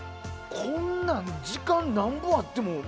こんなの時間なんぼあっても。